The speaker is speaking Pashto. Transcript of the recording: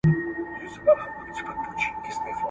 د ټولني د ورانۍ لامل ګرځي